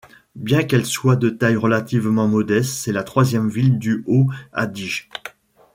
Bien qu'elle soit de taille relativement modeste, c'est la troisième ville du Haut-Adige.